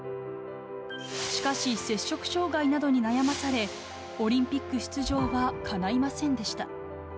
しかし摂食障害などに悩まされ、オリンピック出場はかないませんでした。